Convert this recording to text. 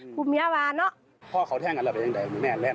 โดยเล่นทุกคนแต่ชายเดินย่อน